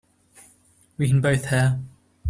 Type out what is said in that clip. We can both hear.